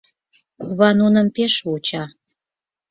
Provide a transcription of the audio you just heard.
Кува нуным пеш вуча.